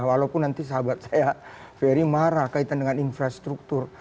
walaupun nanti sahabat saya ferry marah kaitan dengan infrastruktur